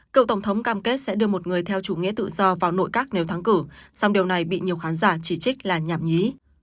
cựu tổng thống cam kết sẽ đưa một người theo chủ nghĩa tự do vào nội các nếu thắng cử song điều này bị nhiều khán giả chỉ trích là nhảm nhí